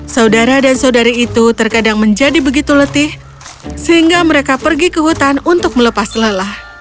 saudara dan saudari itu terkadang menjadi begitu letih sehingga mereka pergi ke hutan untuk melepas lelah